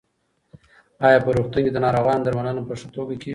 ایا په روغتون کې د ناروغانو درملنه په ښه توګه کېږي؟